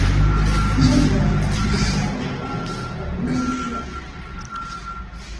Si vols veure un moixó estarrufat, canvia'l de forat.